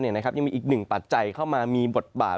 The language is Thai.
ยังมีอีกหนึ่งปัจจัยเข้ามามีบทบาท